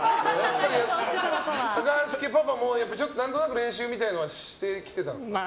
高橋家パパも何となく練習みたいなのはしてきてたんですか？